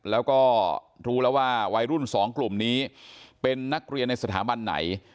แล้วก็รู้แล้วว่าวัยรุ่นสองกลุ่มนี้เป็นนักเรียนในสถาบันไหน